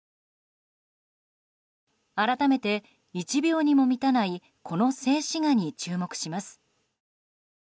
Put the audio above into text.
改めて、１秒にも満たないこの静止画に注目します。